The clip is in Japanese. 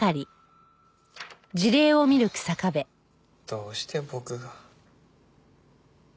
どうして僕が。